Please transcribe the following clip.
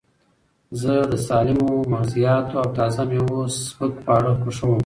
زه د سالمو مغزیاتو او تازه مېوو سپک خواړه خوښوم.